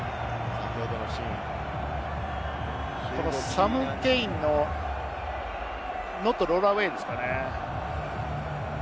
サム・ケインのノットロールアウェイですかね。